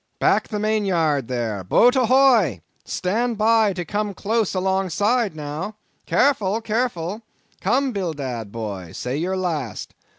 Back the main yard there! Boat ahoy! Stand by to come close alongside, now! Careful, careful!—come, Bildad, boy—say your last.